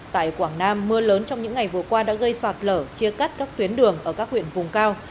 tại quảng nam mưa lớn trong những ngày vừa qua đã gây sạt lở chia cắt các tuyến đường ở các huyện vùng cao